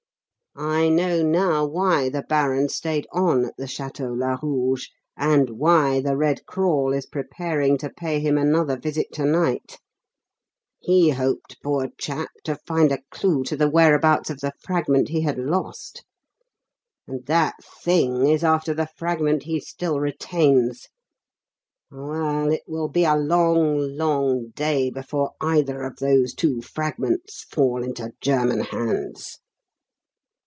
I know now why the baron stayed on at the Château Larouge, and why 'The Red Crawl' is preparing to pay him another visit to night: he hoped, poor chap, to find a clue to the whereabouts of the fragment he had lost; and that thing is after the fragment he still retains. Well, it will be a long, long day before either of those two fragments fall into German hands."